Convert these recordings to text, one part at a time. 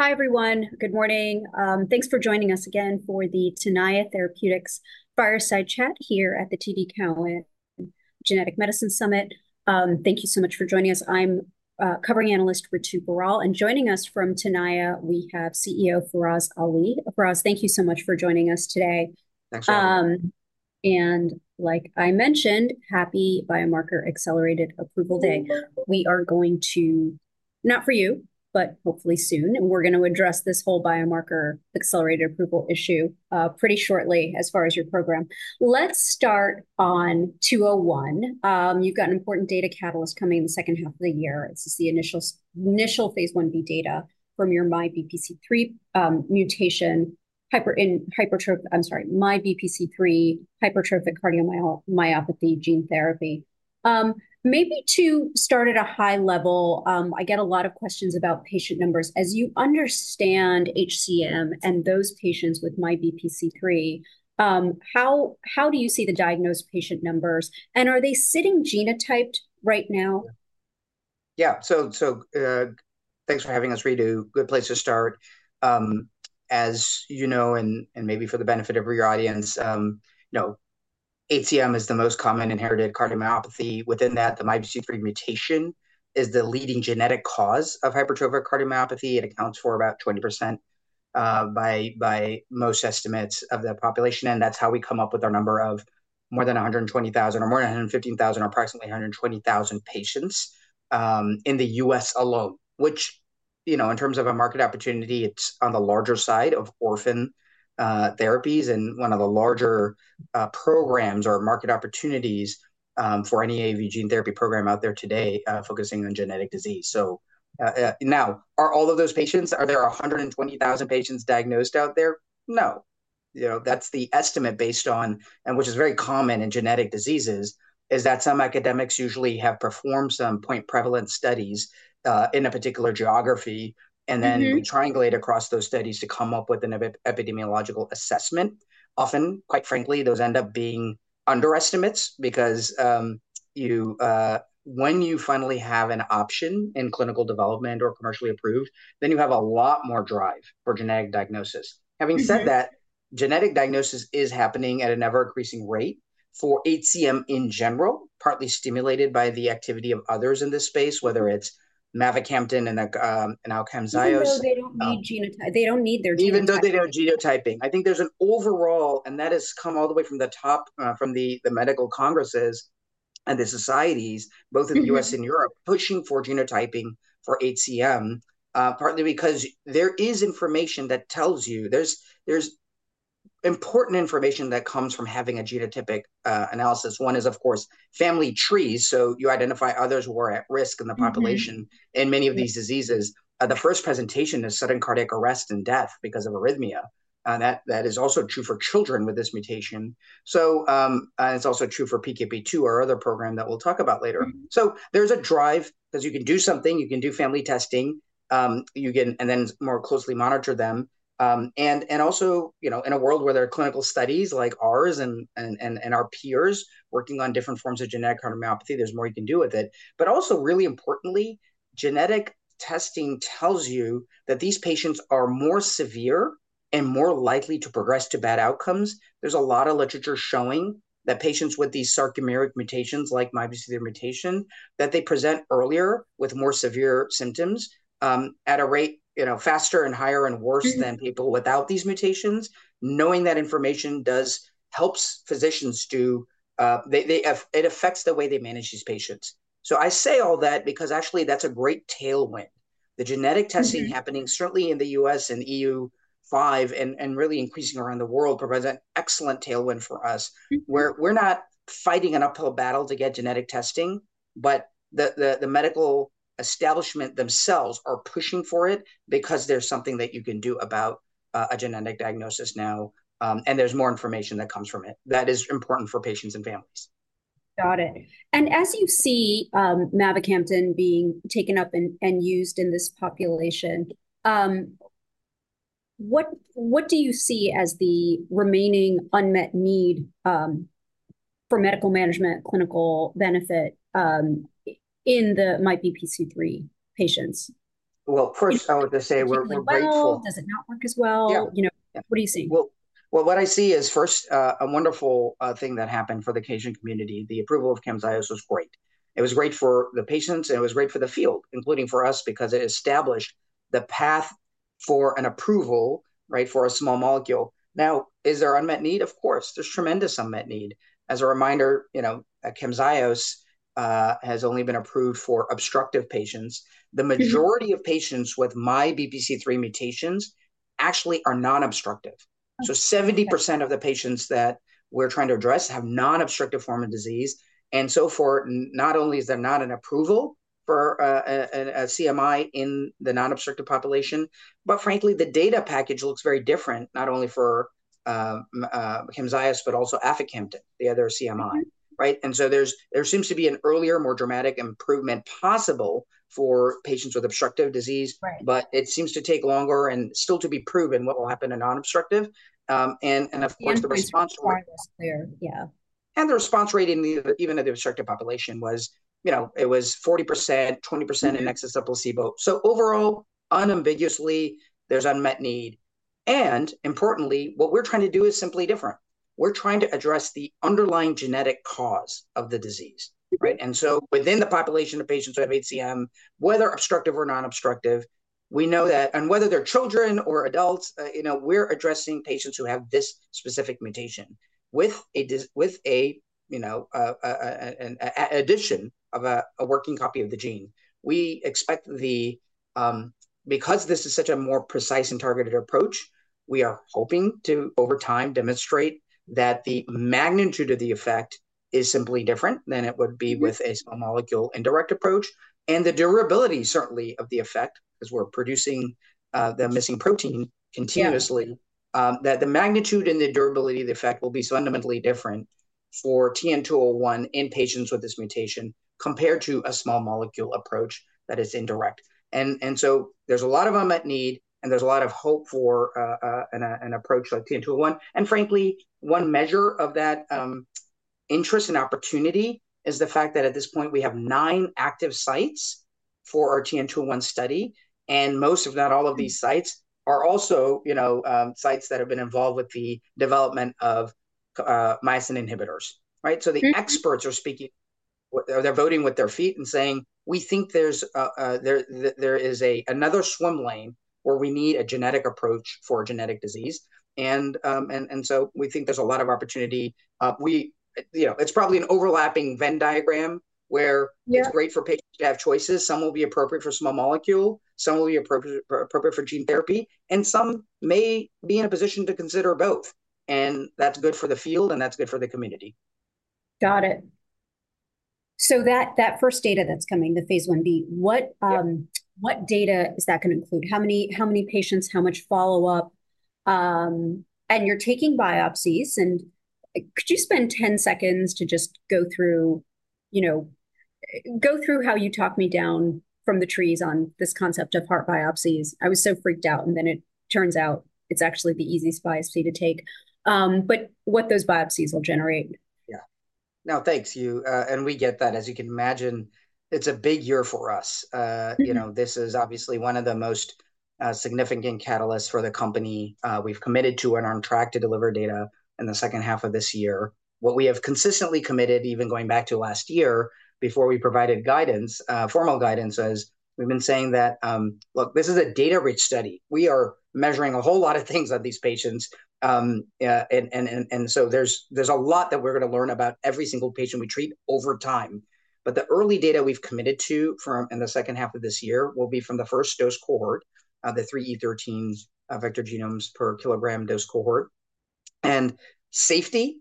Hi, everyone. Good morning. Thanks for joining us again for the Tenaya Therapeutics Fireside Chat here at the TD Cowen Genetic Medicine Summit. Thank you so much for joining us. I'm covering analyst Ritu Baral. Joining us from Tenaya, we have CEO Faraz Ali. Faraz, thank you so much for joining us today. Thanks. And like I mentioned, happy Biomarker Accelerated Approval Day. We are going to, not for you, but hopefully soon, we're going to address this whole Biomarker Accelerated Approval issue pretty shortly as far as your program. Let's start on 201. You've got an important data catalyst coming in the second half of the year. This is the initial phase 1B data from your MYBPC3 mutation, hypertrophic, I'm sorry, MYBPC3, hypertrophic cardiomyopathy gene therapy. Maybe to start at a high level, I get a lot of questions about patient numbers. As you understand HCM and those patients with MYBPC3, how do you see the diagnosed patient numbers? And are they sitting genotyped right now? Yeah. So thanks for having us, Ritu. Good place to start. As you know, and maybe for the benefit of your audience, HCM is the most common inherited cardiomyopathy. Within that, the MYBPC3 mutation is the leading genetic cause of hypertrophic cardiomyopathy. It accounts for about 20% by most estimates of the population. And that's how we come up with our number of more than 120,000 or more than 115,000 or approximately 120,000 patients in the U.S. alone, which in terms of a market opportunity, it's on the larger side of orphan therapies and one of the larger programs or market opportunities for any AAV gene therapy program out there today focusing on genetic disease. So now, are all of those patients, are there 120,000 patients diagnosed out there? No. That's the estimate based on, and which is very common in genetic diseases, is that some academics usually have performed some point prevalence studies in a particular geography. Then we triangulate across those studies to come up with an epidemiological assessment. Often, quite frankly, those end up being underestimates because when you finally have an option in clinical development or commercially approved, then you have a lot more drive for genetic diagnosis. Having said that, genetic diagnosis is happening at an ever-increasing rate for HCM in general, partly stimulated by the activity of others in this space, whether it's Mavacamten and Aficamten. Even though they don't need genotyping. Even though they don't need genotyping. I think there's an overall, and that has come all the way from the top, from the medical congresses and the societies, both in the U.S. and Europe, pushing for genotyping for HCM, partly because there is information that tells you, there's important information that comes from having a genotypic analysis. One is, of course, family trees. So you identify others who are at risk in the population in many of these diseases. The first presentation is sudden cardiac arrest and death because of arrhythmia. That is also true for children with this mutation. So it's also true for PKP2, our other program that we'll talk about later. So there's a drive because you can do something, you can do family testing, and then more closely monitor them. Also, in a world where there are clinical studies like ours and our peers working on different forms of genetic cardiomyopathy, there's more you can do with it. Also, really importantly, genetic testing tells you that these patients are more severe and more likely to progress to bad outcomes. There's a lot of literature showing that patients with these sarcomeric mutations like MYBPC3 mutation, that they present earlier with more severe symptoms at a rate faster and higher and worse than people without these mutations. Knowing that information helps physicians do, it affects the way they manage these patients. I say all that because actually that's a great tailwind. The genetic testing happening, certainly in the US and EU-5 and really increasing around the world, provides an excellent tailwind for us. We're not fighting an uphill battle to get genetic testing, but the medical establishment themselves are pushing for it because there's something that you can do about a genetic diagnosis now. There's more information that comes from it that is important for patients and families. Got it. And as you see Mavacamten being taken up and used in this population, what do you see as the remaining unmet need for medical management, clinical benefit in the MYBPC3 patients? Well, first, I would just say we're grateful. Does it not work as well? What do you see? Well, what I see is first, a wonderful thing that happened for the HCM community. The approval of Camzyos was great. It was great for the patients, and it was great for the field, including for us, because it established the path for an approval for a small molecule. Now, is there unmet need? Of course. There's tremendous unmet need. As a reminder, Camzyos has only been approved for obstructive patients. The majority of patients with MYBPC3 mutations actually are non-obstructive. So 70% of the patients that we're trying to address have non-obstructive form of disease. And so forth, not only is there not an approval for a CMI in the non-obstructive population, but frankly, the data package looks very different, not only for Camzyos, but also aficamten, the other CMI. And so there seems to be an earlier, more dramatic improvement possible for patients with obstructive disease, but it seems to take longer and still to be proven what will happen in non-obstructive. And of course, the response rate. Yeah. The response rate in even the obstructive population was 40%, 20% in non-obstructive HCM. So overall, unambiguously, there's unmet need. And importantly, what we're trying to do is simply different. We're trying to address the underlying genetic cause of the disease. And so within the population of patients who have HCM, whether obstructive or non-obstructive, we know that, and whether they're children or adults, we're addressing patients who have this specific mutation with an addition of a working copy of the gene. We expect the, because this is such a more precise and targeted approach, we are hoping to over time demonstrate that the magnitude of the effect is simply different than it would be with a small molecule indirect approach. And the durability, certainly, of the effect, because we're producing the missing protein continuously, that the magnitude and the durability of the effect will be fundamentally different for TN-201 in patients with this mutation compared to a small molecule approach that is indirect. And so there's a lot of unmet need, and there's a lot of hope for an approach like TN-201. And frankly, one measure of that interest and opportunity is the fact that at this point, we have nine active sites for our TN-201 study. And most of that, all of these sites are also sites that have been involved with the development of myosin inhibitors. So the experts are speaking, they're voting with their feet and saying, we think there is another swim lane where we need a genetic approach for genetic disease. And so we think there's a lot of opportunity. It's probably an overlapping Venn diagram where it's great for patients to have choices. Some will be appropriate for small molecule. Some will be appropriate for gene therapy. Some may be in a position to consider both. That's good for the field, and that's good for the community. Got it. So that first data that's coming, the phase 1b, what data is that going to include? How many patients, how much follow-up? And you're taking biopsies. And could you spend 10 seconds to just go through how you talk me down from the trees on this concept of heart biopsies? I was so freaked out. And then it turns out it's actually the easiest biopsy to take. But what those biopsies will generate. Yeah. No, thanks, Ritu. And we get that. As you can imagine, it's a big year for us. This is obviously one of the most significant catalysts for the company. We've committed to and are on track to deliver data in the second half of this year. What we have consistently committed, even going back to last year before we provided guidance, formal guidance, is we've been saying that, look, this is a data-rich study. We are measuring a whole lot of things on these patients. And so there's a lot that we're going to learn about every single patient we treat over time. But the early data we've committed to in the second half of this year will be from the first dose cohort, the 3E13 vector genomes per kilogram dose cohort. And safety,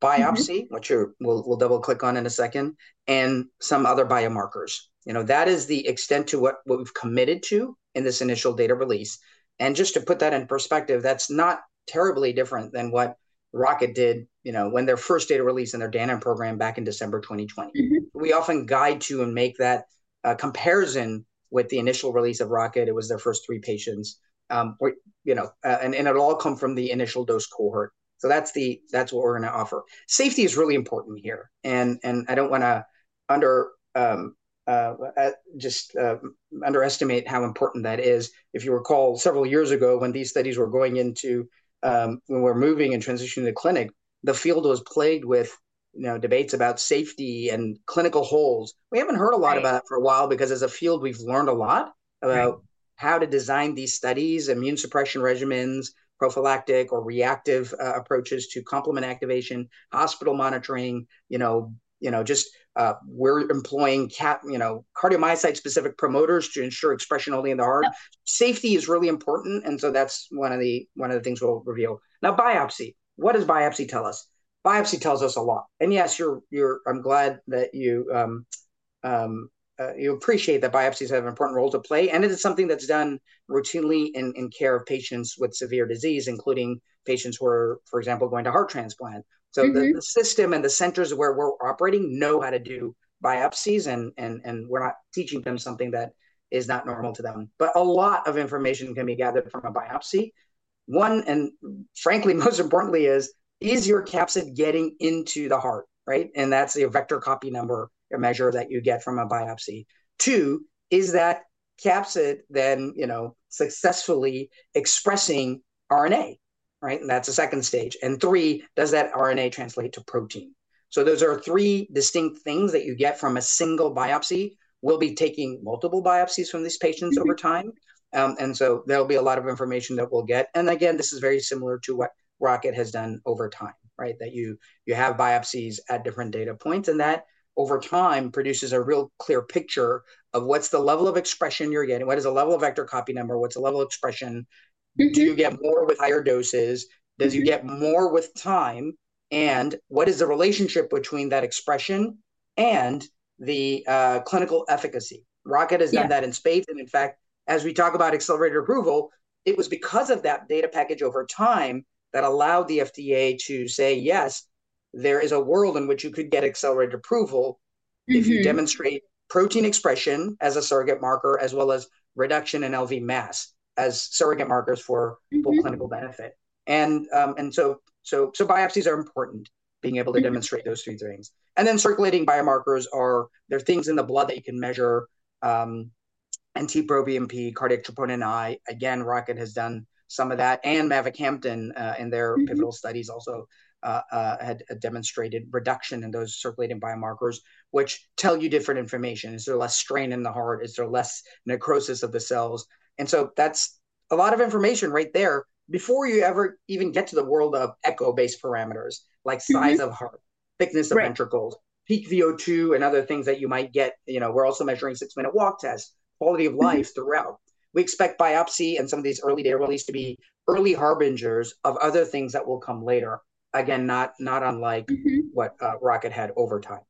biopsy, which we'll double-click on in a second, and some other biomarkers. That is the extent to what we've committed to in this initial data release. Just to put that in perspective, that's not terribly different than what Rocket did when their first data release in their Danon program back in December 2020. We often guide to and make that comparison with the initial release of Rocket. It was their first three patients. It'll all come from the initial dose cohort. That's what we're going to offer. Safety is really important here. I don't want to just underestimate how important that is. If you recall, several years ago when we were moving and transitioning to clinic, the field was plagued with debates about safety and clinical holds. We haven't heard a lot about it for a while because as a field, we've learned a lot about how to design these studies, immune suppression regimens, prophylactic or reactive approaches to complement activation, hospital monitoring, just we're employing cardiomyocyte-specific promoters to ensure expression only in the heart. Safety is really important. So that's one of the things we'll reveal. Now, biopsy. What does biopsy tell us? Biopsy tells us a lot. And yes, I'm glad that you appreciate that biopsies have an important role to play. It is something that's done routinely in care of patients with severe disease, including patients who are, for example, going to heart transplant. So the system and the centers where we're operating know how to do biopsies, and we're not teaching them something that is not normal to them. But a lot of information can be gathered from a biopsy. One and frankly, most importantly, is superior capsid getting into the heart. That's a vector copy number measure that you get from a biopsy. Two, is that capsid then successfully expressing RNA? That's the second stage. Three, does that RNA translate to protein? So those are three distinct things that you get from a single biopsy. We'll be taking multiple biopsies from these patients over time. So there'll be a lot of information that we'll get. Again, this is very similar to what Rocket has done over time, that you have biopsies at different data points. That over time produces a real clear picture of what's the level of expression you're getting. What is the level of vector copy number? What's the level of expression? Do you get more with higher doses? Does it get more with time? What is the relationship between that expression and the clinical efficacy? Rocket has done that in spades. In fact, as we talk about accelerated approval, it was because of that data package over time that allowed the FDA to say, yes, there is a world in which you could get accelerated approval if you demonstrate protein expression as a surrogate marker as well as reduction in LV mass as surrogate markers for clinical benefit. So biopsies are important being able to demonstrate those three things. Then circulating biomarkers are there are things in the blood that you can measure, NT-proBNP, cardiac troponin I. Again, Rocket has done some of that. Mavacamten in their pivotal studies also had demonstrated reduction in those circulating biomarkers, which tell you different information. Is there less strain in the heart? Is there less necrosis of the cells? And so that's a lot of information right there before you ever even get to the world of echo-based parameters, like size of heart, thickness of ventricles, peak VO2, and other things that you might get. We're also measuring 6-minute walk tests, quality of life throughout. We expect biopsy and some of these early data release to be early harbingers of other things that will come later. Again, not unlike what Rocket had over time.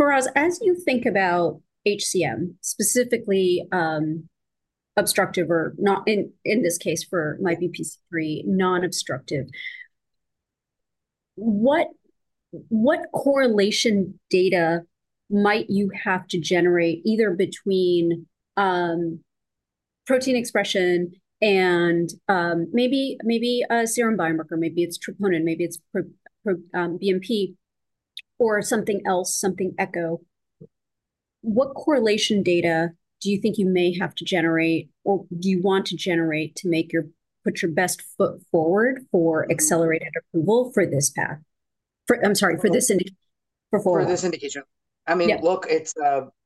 Faraz, as you think about HCM, specifically obstructive or not, in this case for MYBPC3, non-obstructive, what correlation data might you have to generate either between protein expression and maybe a serum biomarker, maybe it's troponin, maybe it's BNP, or something else, something echo? What correlation data do you think you may have to generate or do you want to generate to put your best foot forward for accelerated approval for this path? I'm sorry, for this indication. For this indication. I mean, look,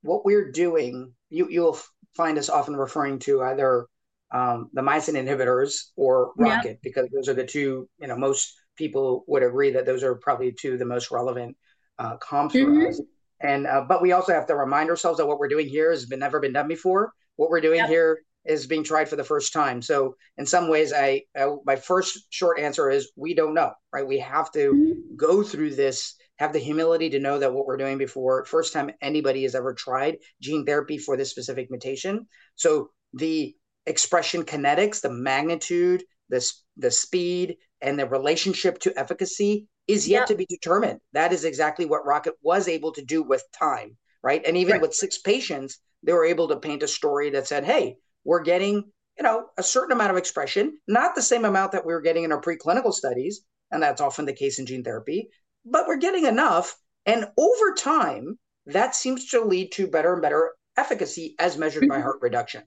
what we're doing, you'll find us often referring to either the myosin inhibitors or Rocket because those are the two most people would agree that those are probably two of the most relevant comps. But we also have to remind ourselves that what we're doing here has never been done before. What we're doing here is being tried for the first time. So in some ways, my first short answer is we don't know. We have to go through this, have the humility to know that what we're doing before, first time anybody has ever tried gene therapy for this specific mutation. So the expression kinetics, the magnitude, the speed, and the relationship to efficacy is yet to be determined. That is exactly what Rocket was able to do with time. Even with six patients, they were able to paint a story that said, hey, we're getting a certain amount of expression, not the same amount that we were getting in our preclinical studies. And that's often the case in gene therapy. But we're getting enough. And over time, that seems to lead to better and better efficacy as measured by heart reduction.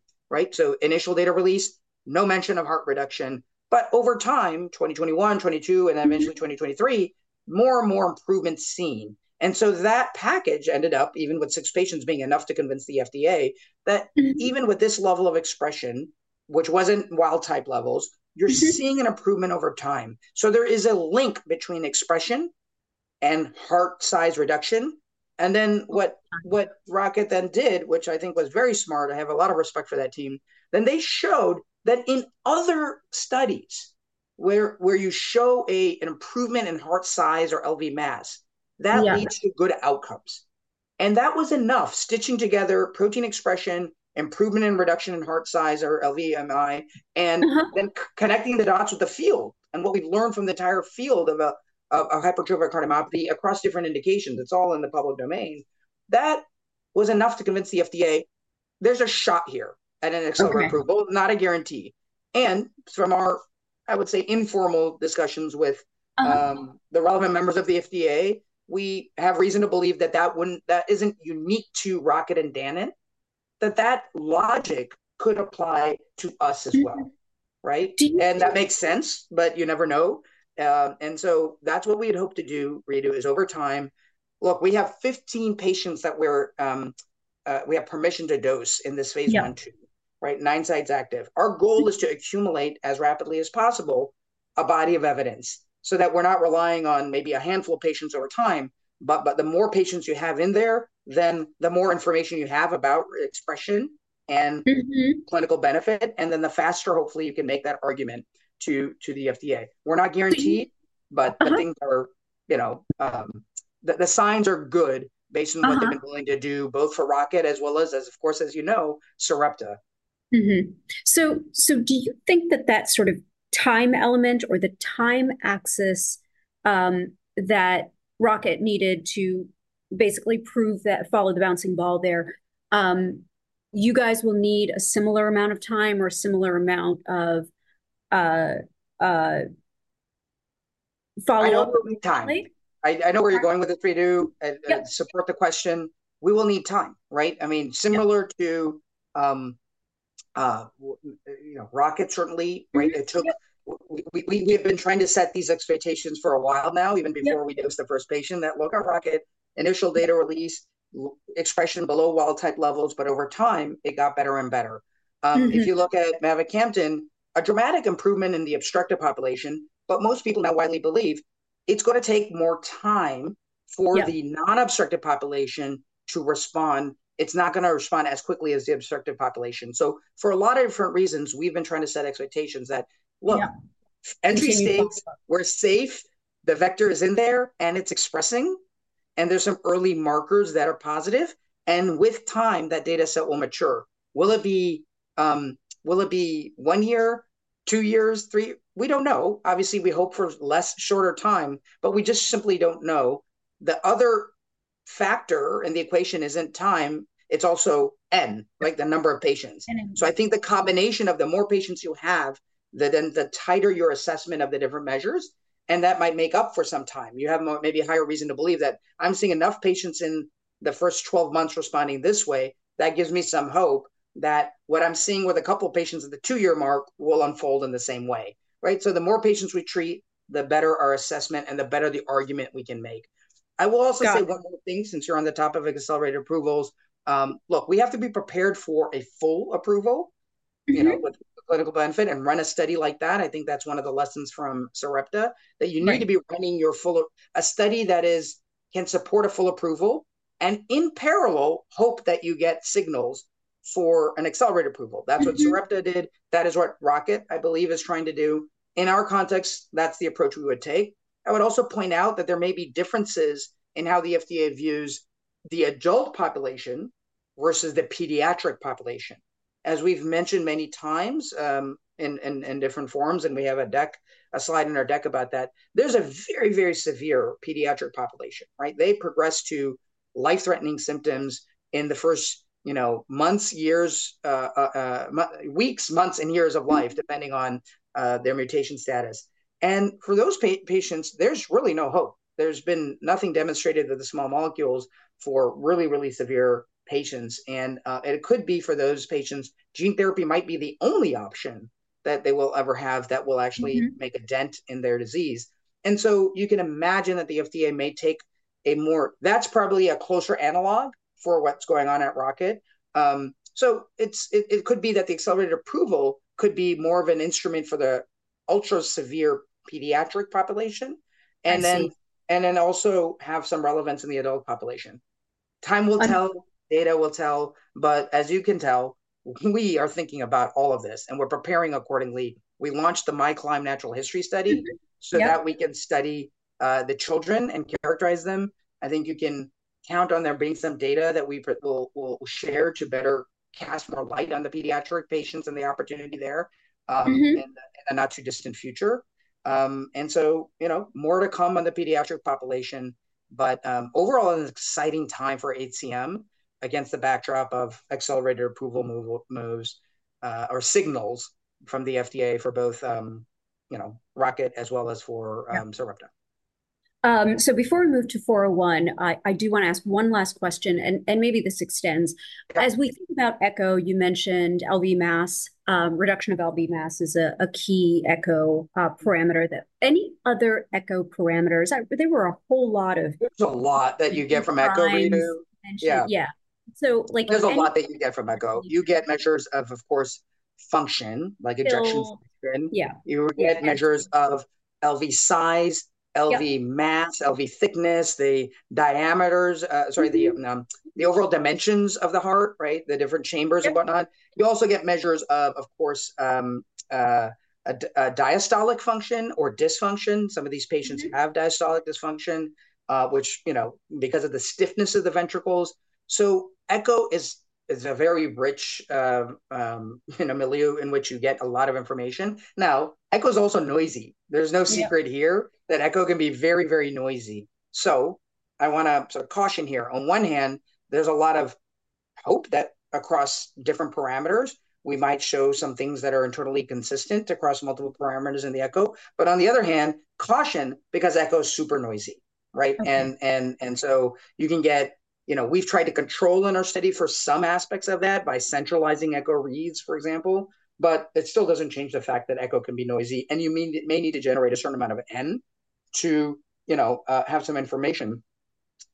So initial data release, no mention of heart reduction. But over time, 2021, 2022, and then eventually 2023, more and more improvement seen. And so that package ended up, even with six patients being enough to convince the FDA, that even with this level of expression, which wasn't wild type levels, you're seeing an improvement over time. So there is a link between expression and heart size reduction. Then what Rocket then did, which I think was very smart, I have a lot of respect for that team, then they showed that in other studies where you show an improvement in heart size or LV mass, that leads to good outcomes. And that was enough stitching together protein expression, improvement in reduction in heart size or LVMI, and then connecting the dots with the field. And what we've learned from the entire field of hypertrophic cardiomyopathy across different indications, it's all in the public domain. That was enough to convince the FDA there's a shot here at an accelerated approval, not a guarantee. And from our, I would say, informal discussions with the relevant members of the FDA, we have reason to believe that that isn't unique to Rocket and Dana, that that logic could apply to us as well. And that makes sense, but you never know. And so that's what we had hoped to do, Ritu, is over time. Look, we have 15 patients that we have permission to dose in this phase 1, 2, 9 sites active. Our goal is to accumulate as rapidly as possible a body of evidence so that we're not relying on maybe a handful of patients over time. But the more patients you have in there, then the more information you have about expression and clinical benefit. And then the faster, hopefully, you can make that argument to the FDA. We're not guaranteed, but the things are the signs are good based on what they've been willing to do both for Rocket as well as, of course, as you know, Sarepta. Do you think that that sort of time element or the time axis that Rocket needed to basically prove that follow the bouncing ball there, you guys will need a similar amount of time or a similar amount of follow-up? I know where you're going with this, Ritu, and support the question. We will need time. I mean, similar to Rocket, certainly. We have been trying to set these expectations for a while now, even before we dosed the first patient that, look, our Rocket initial data release, expression below wild type levels, but over time, it got better and better. If you look at mavacamten, a dramatic improvement in the obstructive population, but most people now widely believe it's going to take more time for the non-obstructive population to respond. It's not going to respond as quickly as the obstructive population. So for a lot of different reasons, we've been trying to set expectations that, look, entry states, we're safe. The vector is in there, and it's expressing. And there's some early markers that are positive. And with time, that data set will mature. Will it be one year, two years, three? We don't know. Obviously, we hope for less shorter time, but we just simply don't know. The other factor in the equation isn't time. It's also N, like the number of patients. So I think the combination of the more patients you have, then the tighter your assessment of the different measures, and that might make up for some time. You have maybe a higher reason to believe that I'm seeing enough patients in the first 12 months responding this way. That gives me some hope that what I'm seeing with a couple of patients at the two-year mark will unfold in the same way. So the more patients we treat, the better our assessment and the better the argument we can make. I will also say one more thing since you're on the top of accelerated approvals. Look, we have to be prepared for a full approval with clinical benefit and run a study like that. I think that's one of the lessons from Sarepta that you need to be running a study that can support a full approval and in parallel hope that you get signals for an accelerated approval. That's what Sarepta did. That is what Rocket, I believe, is trying to do. In our context, that's the approach we would take. I would also point out that there may be differences in how the FDA views the adult population versus the pediatric population. As we've mentioned many times in different forms, and we have a slide in our deck about that, there's a very, very severe pediatric population. They progress to life-threatening symptoms in the first months, years, weeks, months, and years of life, depending on their mutation status. For those patients, there's really no hope. There's been nothing demonstrated that the small molecules for really, really severe patients. And it could be for those patients, gene therapy might be the only option that they will ever have that will actually make a dent in their disease. And so you can imagine that the FDA may take a more. That's probably a closer analog for what's going on at Rocket. So it could be that the accelerated approval could be more of an instrument for the ultra-severe pediatric population and then also have some relevance in the adult population. Time will tell, data will tell. But as you can tell, we are thinking about all of this, and we're preparing accordingly. We launched the MyClimb Natural History Study so that we can study the children and characterize them. I think you can count on there being some data that we will share to better cast more light on the pediatric patients and the opportunity there in the not-too-distant future. And so more to come on the pediatric population, but overall, an exciting time for HCM against the backdrop of accelerated approval moves or signals from the FDA for both Rocket as well as for Sarepta. So before we move to 401, I do want to ask one last question, and maybe this extends. As we think about echo, you mentioned LV mass. Reduction of LV mass is a key echo parameter. Any other echo parameters? There were a whole lot of. There's a lot that you get from echo, Ritu. Yeah. There's a lot that you get from echo. You get measures of, of course, function, like ejection function. You get measures of LV size, LV mass, LV thickness, the diameters, sorry, the overall dimensions of the heart, the different chambers and whatnot. You also get measures of, of course, diastolic function or dysfunction. Some of these patients have diastolic dysfunction, which because of the stiffness of the ventricles. So echo is a very rich milieu in which you get a lot of information. Now, echo is also noisy. There's no secret here that echo can be very, very noisy. So I want to sort of caution here. On one hand, there's a lot of hope that across different parameters, we might show some things that are internally consistent across multiple parameters in the echo. But on the other hand, caution because echo is super noisy. And so you can see we've tried to control in our study for some aspects of that by centralizing echo reads, for example, but it still doesn't change the fact that echo can be noisy. You may need to generate a certain amount of N to have some information.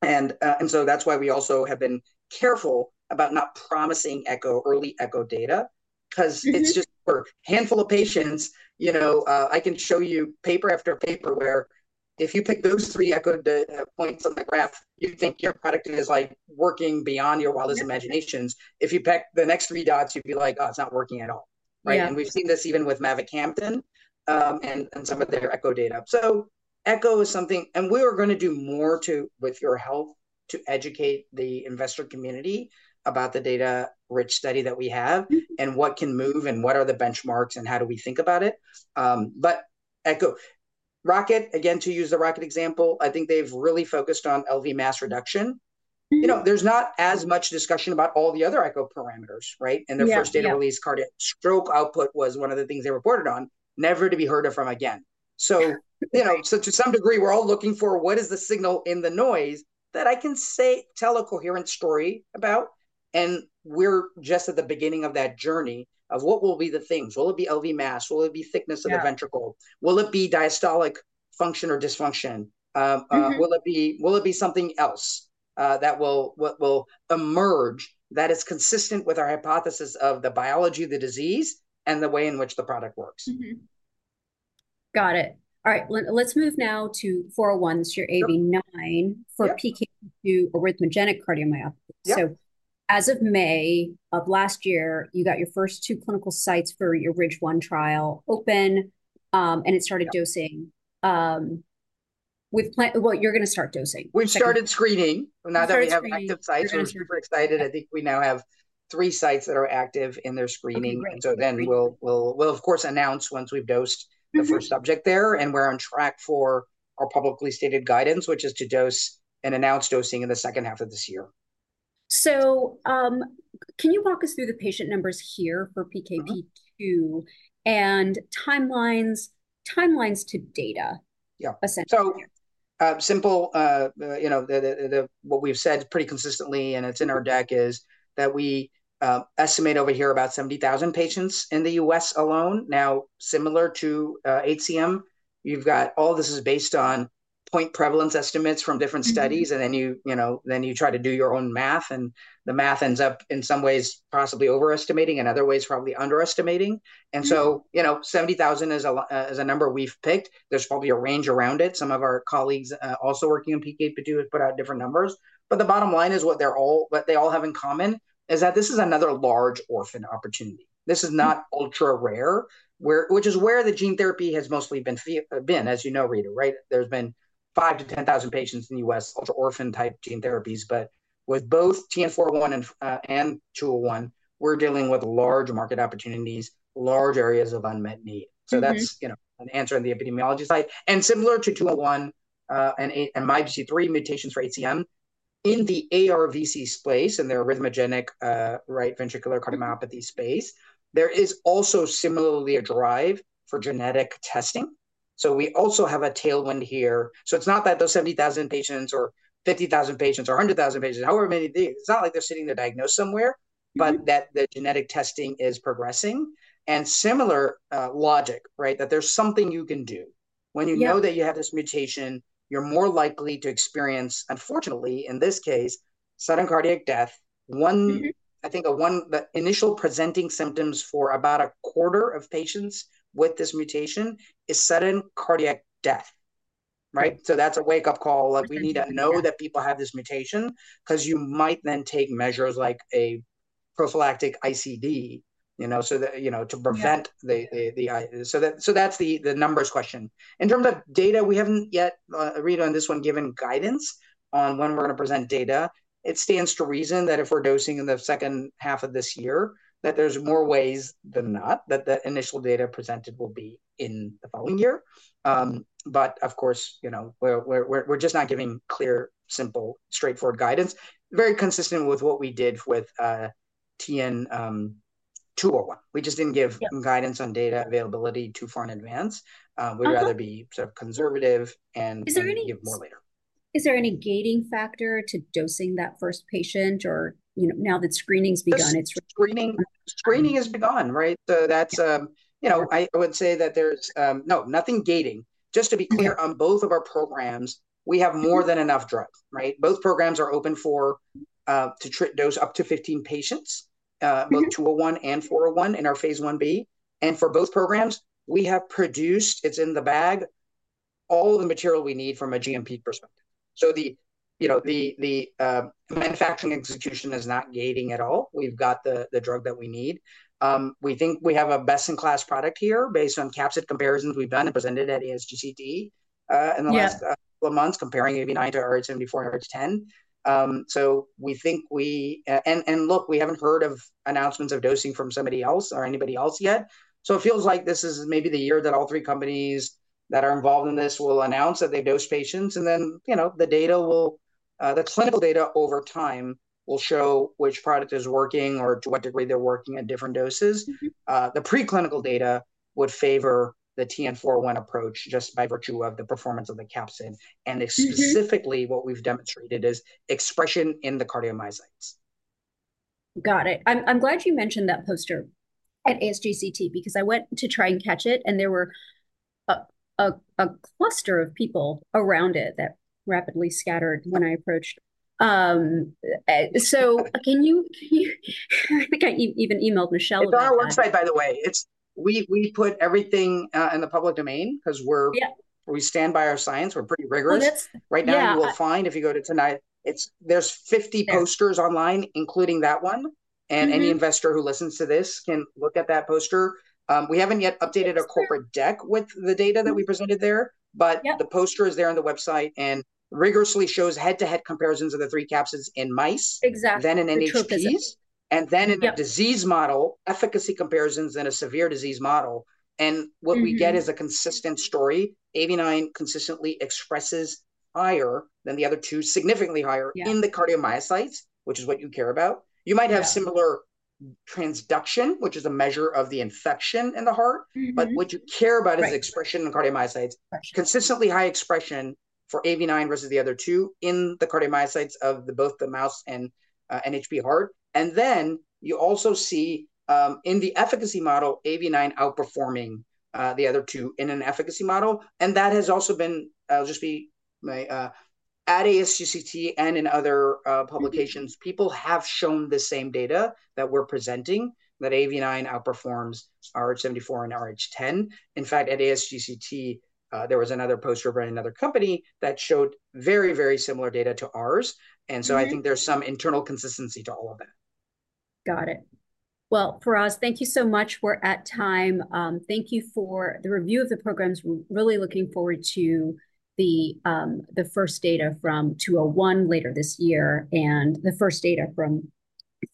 That's why we also have been careful about not promising early echo data because it's just for a handful of patients. I can show you paper after paper where if you pick those three echo points on the graph, you think your product is working beyond your wildest imaginations. If you pick the next three dots, you'd be like, "Oh, it's not working at all." We've seen this even with Mavacamten and some of their echo data. So echo is something, and we are going to do more with your health to educate the investor community about the data-rich study that we have and what can move and what are the benchmarks and how do we think about it. But Rocket, again, to use the Rocket example, I think they've really focused on LV mass reduction. There's not as much discussion about all the other echo parameters. In their first data release, cardiac stroke output was one of the things they reported on, never to be heard of from again. So to some degree, we're all looking for what is the signal in the noise that I can tell a coherent story about. And we're just at the beginning of that journey of what will be the things. Will it be LV mass? Will it be thickness of the ventricle? Will it be diastolic function or dysfunction? Will it be something else that will emerge that is consistent with our hypothesis of the biology of the disease and the way in which the product works? Got it. All right. Let's move now to 401, which is your AAV9 for PKP2 arrhythmogenic cardiomyopathy. So as of May of last year, you got your first two clinical sites for your RIDGE-1 trial open, and it started dosing. Well, you're going to start dosing. We started screening. Now that we have active sites, we're super excited. I think we now have three sites that are active in their screening. And so then we'll, of course, announce once we've dosed the first subject there. And we're on track for our publicly stated guidance, which is to dose and announce dosing in the second half of this year. Can you walk us through the patient numbers here for PKP2 and timelines to data, essentially? So simple, what we've said pretty consistently, and it's in our deck, is that we estimate over here about 70,000 patients in the U.S. alone. Now, similar to HCM, you've got, all this is based on point prevalence estimates from different studies. And then you try to do your own math. And the math ends up in some ways possibly overestimating and other ways probably underestimating. And so 70,000 is a number we've picked. There's probably a range around it. Some of our colleagues also working on PKP2 have put out different numbers. But the bottom line is what they all have in common is that this is another large orphan opportunity. This is not ultra rare, which is where the gene therapy has mostly been. As you know, Ritu, there's been 5,000-10,000 patients in the U.S., ultra orphan type gene therapies. But with both TN-401 and TN-201, we're dealing with large market opportunities, large areas of unmet need. So that's an answer on the epidemiology side. And similar to TN-201 and MYBPC3 mutations for HCM, in the ARVC space and the arrhythmogenic ventricular cardiomyopathy space, there is also similarly a drive for genetic testing. So we also have a tailwind here. So it's not that those 70,000 patients or 50,000 patients or 100,000 patients, however many of these, it's not like they're sitting there diagnosed somewhere, but that the genetic testing is progressing. And similar logic, that there's something you can do. When you know that you have this mutation, you're more likely to experience, unfortunately, in this case, sudden cardiac death. I think the initial presenting symptoms for about a quarter of patients with this mutation is sudden cardiac death. So that's a wake-up call. We need to know that people have this mutation because you might then take measures like a prophylactic ICD to prevent the, so that's the numbers question. In terms of data, we haven't yet, Ritu, on this one, given guidance on when we're going to present data. It stands to reason that if we're dosing in the second half of this year, that there's more ways than not that the initial data presented will be in the following year. But of course, we're just not giving clear, simple, straightforward guidance. Very consistent with what we did with TN-201. We just didn't give guidance on data availability too far in advance. We'd rather be sort of conservative and give more later. Is there any gating factor to dosing that first patient or now that screening's begun? Screening has begun. So I would say that there's no, nothing gating. Just to be clear, on both of our programs, we have more than enough drugs. Both programs are open to dose up to 15 patients, both 201 and 401 in our phase 1b. And for both programs, we have produced, it's in the bag, all the material we need from a GMP perspective. So the manufacturing execution is not gating at all. We've got the drug that we need. We think we have a best-in-class product here based on capsid comparisons we've done and presented at ASGCT in the last couple of months, comparing AAV9 to AAVrh74, AAVrh10. So we think we and look, we haven't heard of announcements of dosing from somebody else or anybody else yet. So it feels like this is maybe the year that all three companies that are involved in this will announce that they've dosed patients. And then the clinical data over time will show which product is working or to what degree they're working at different doses. The preclinical data would favor the TN-401 approach just by virtue of the performance of the capsid. And specifically, what we've demonstrated is expression in the cardiomyocytes. Got it. I'm glad you mentioned that poster at ASGCT because I went to try and catch it, and there were a cluster of people around it that rapidly scattered when I approached. So can you I think I even emailed Michelle about it. It's on our website, by the way. We put everything in the public domain because we stand by our science. We're pretty rigorous. Right now, you will find if you go to Tenaya, there's 50 posters online, including that one. And any investor who listens to this can look at that poster. We haven't yet updated our corporate deck with the data that we presented there, but the poster is there on the website and rigorously shows head-to-head comparisons of the three capsids in mice, then in NHPs, and then in the disease model, efficacy comparisons in a severe disease model. And what we get is a consistent story. AAV9 consistently expresses higher than the other two, significantly higher in the cardiomyocytes, which is what you care about. You might have similar transduction, which is a measure of the infection in the heart, but what you care about is expression in cardiomyocytes. Consistently high expression for AAV9 versus the other two in the cardiomyocytes of both the mouse and NHP heart. And then you also see in the efficacy model, AAV9 outperforming the other two in an efficacy model. And that has also been. I'll just say, at ASGCT and in other publications. People have shown the same data that we're presenting, that AAV9 outperforms AAVrh74 and AAVrh10. In fact, at ASGCT, there was another poster by another company that showed very, very similar data to ours. And so I think there's some internal consistency to all of that. Got it. Well, Faraz, thank you so much. We're at time. Thank you for the review of the programs. We're really looking forward to the first data from 201 later this year and the first data from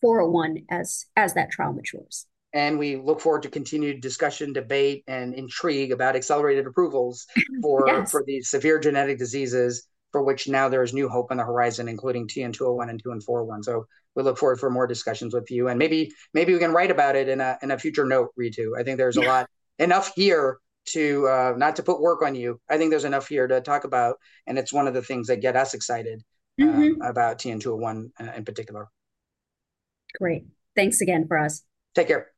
401 as that trial matures. We look forward to continued discussion, debate, and intrigue about accelerated approvals for these severe genetic diseases for which now there is new hope on the horizon, including TN-201 and TN-401. We look forward to more discussions with you. Maybe we can write about it in a future note, Ritu. I think there's enough here to not put work on you. I think there's enough here to talk about. It's one of the things that get us excited about TN-201 in particular. Great. Thanks again, Faraz. Take care. Bye.